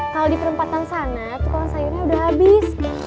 kalau di perempatan sana tukang sayurnya udah habis